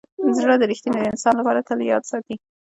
زړه د ریښتیني انسان لپاره تل یاد ساتي.